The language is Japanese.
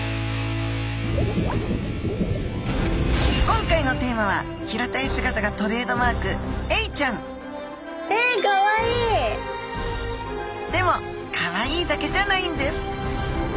今回のテーマは平たい姿がトレードマークエイちゃんでもカワイイだけじゃないんです！